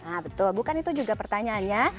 nah betul bukan itu juga pertanyaannya